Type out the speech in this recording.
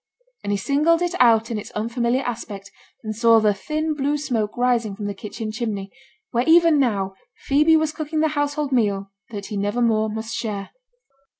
and he singled it out in its unfamiliar aspect, and saw the thin blue smoke rising from the kitchen chimney, where even now Phoebe was cooking the household meal that he never more must share.